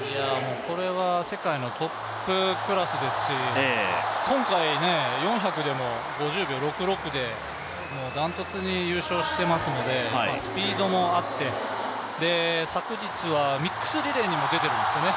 これは世界のトップクラスですし今回、４００でも５０秒６６で断トツで優勝していますのでスピードもあって、昨日はミックスリレーにも出ているんですよね。